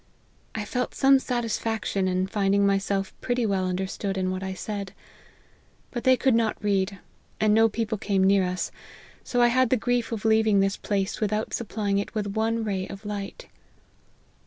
I felt some satisfaction in finding myself pretty well understood in what I said : but they could not read : and no people came near us, and so I had the grief of leaving this place without supplying it with one ray of light.